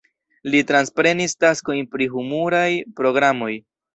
Li transprenis taskojn pri humuraj programoj.